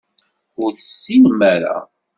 Ur tessinem ara.